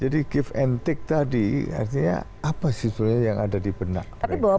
jadi give and take tadi artinya apa sih sebenarnya yang ada di benak mereka